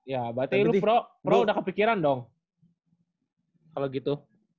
ya berarti lu pro udah kepikiran dong kalo gitu